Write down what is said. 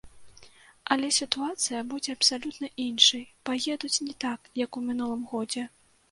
Але сітуацыя будзе абсалютна іншай, паедуць не так, як у мінулым годзе.